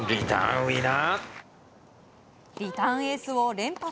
リターンエースを連発。